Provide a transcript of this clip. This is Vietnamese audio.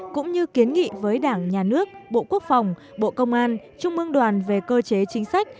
cũng như kiến nghị với đảng nhà nước bộ quốc phòng bộ công an trung mương đoàn về cơ chế chính sách